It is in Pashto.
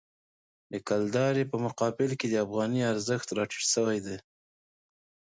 د کلدارې په مقابل کې د افغانۍ ارزښت راټیټ شوی.